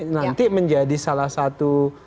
nanti menjadi salah satu